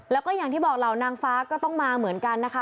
แล้วก็อย่างที่บอกเหล่านางฟ้าก็ต้องมาเหมือนกันนะคะ